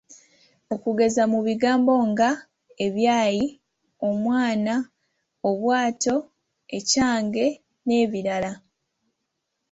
Okugeza mu bigambo nga; ebyayi, omwana, obwato, ekyange n’ebirala.